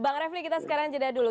bang refli kita sekarang jeda dulu